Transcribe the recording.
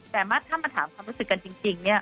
แต่ถ้ามาถามความรู้สึกกันจริงเนี่ย